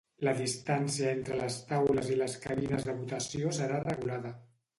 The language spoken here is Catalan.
La distància entre les taules i les cabines de votació serà regulada.